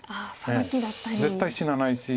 絶対死なないし。